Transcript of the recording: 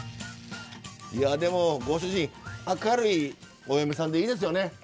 いやでもご主人明るいお嫁さんでいいですよね。